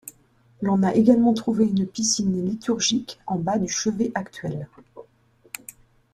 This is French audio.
L'on a également trouvé une piscine liturgique en bas du chevet actuel.